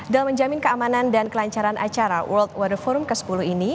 dalam menjamin keamanan dan kelancaran acara world water forum ke sepuluh ini